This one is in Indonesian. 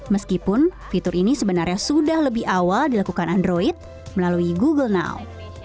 meskipun fitur ini sebenarnya sudah lebih awal dilakukan android melalui google now